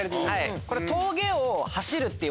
これ峠を走るっていう